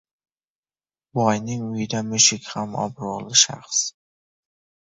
• Boyning uyida mushuk ham — obro‘li shaxs.